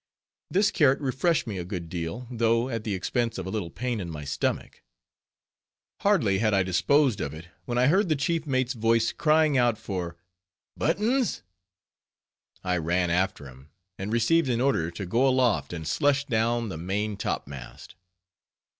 This carrot refreshed me a good deal, though at the expense of a little pain in my stomach. Hardly had I disposed of it, when I heard the chief mate's voice crying out for "Buttons." I ran after him, and received an order to go aloft and "slush down the main top mast."